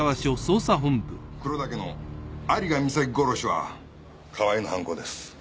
黒岳の有賀美咲殺しは川井の犯行です。